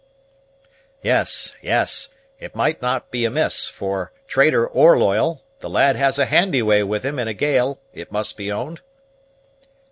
"Yes, yes; it might not be amiss; for, traitor or loyal, the lad has a handy way with him in a gale, it must be owned."